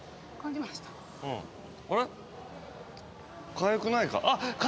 かゆくないか？